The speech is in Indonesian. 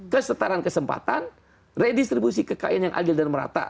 kesetaraan kesempatan redistribusi kekayaan yang adil dan merata